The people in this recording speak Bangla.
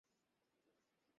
আমি জানিনা, ট্রিক্সি।